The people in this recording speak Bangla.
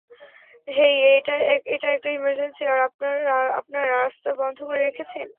হেই, এটা একটা ইমার্জেন্সি আর আপনারা রাস্তা বন্ধ করে রেখেছেন!